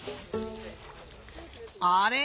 あれ？